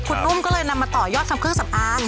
คุณนุ่มก็เลยนำมาต่อยอดทำเครื่องสำอาง